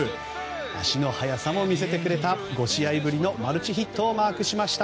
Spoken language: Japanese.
足の速さも見せてくれた５試合ぶりのマルチヒットをマークしました。